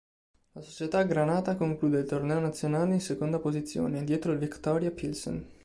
La società granata conclude il torneo nazionale in seconda posizione, dietro al Viktoria Pilsen.